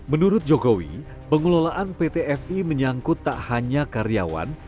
menurut jokowi pengelolaan pt fi menyangkut tak hanya karyawan